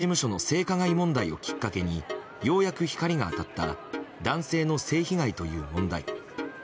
ジャニーズ事務所の性加害問題をきっかけにようやく光が当たった男性の性被害という問題。